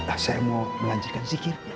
ah saya mau melanjutkan zikir